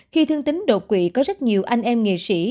khi thương tín độc quỵ có rất nhiều anh em nghệ sĩ